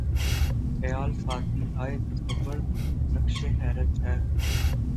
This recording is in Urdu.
خیال سادگی ہائے تصور‘ نقشِ حیرت ہے